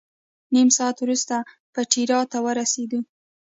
نیم ساعت وروسته پېټرا ته ورسېدو.